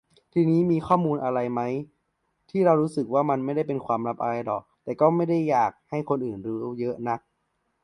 ทีนี้ มีข้อมูลอะไรมั๊ย ที่เรารู้สึกว่า มันไม่ได้เป็นความลับอะไรหรอก แต่ก็ไม่ได้อยากให้คนรู้เยอะนัก